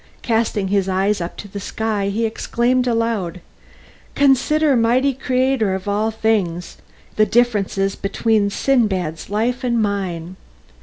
Casting his eyes up to the sky he exclaimed aloud, "Consider, Mighty Creator of all things, the differences between Sindbad's life and mine.